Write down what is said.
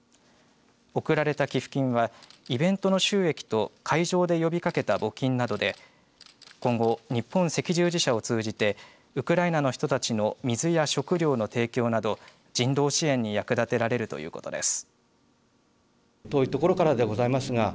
贈られた寄付金はイベントの収益と会場で呼びかけた募金などで今後、日本赤十字社を通じてウクライナの人たちの水や食料の提供など人道支援に役立てられるということです。